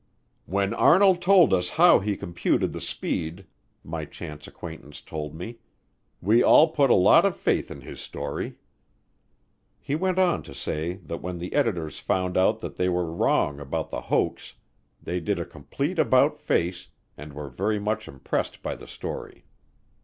"When Arnold told us how he computed the speed," my chance acquaintance told me, "we all put a lot of faith in his story." He went on to say that when the editors found out that they were wrong about the hoax, they did a complete about face, and were very much impressed by the story.